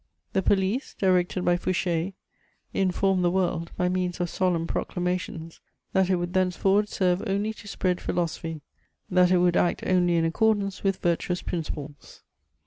] The police, directed by Fouché, informed the world, by means of solemn proclamations, that it would thenceforward serve only to spread philosophy, that it would act only in accordance with virtuous principles.